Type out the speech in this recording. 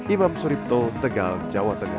imam suripto tegal jawa tengah